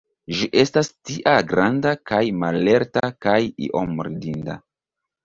Li estas tia granda kaj mallerta, kaj iom ridinda.